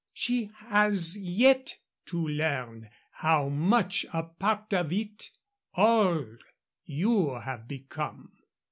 She has yet to learn how much a part of it all you have become.